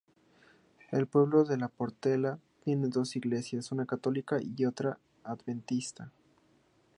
El pueblo de Portela tiene dos iglesias, una católica y otra adventista.